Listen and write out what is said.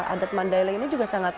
adat mandailing ini juga sangat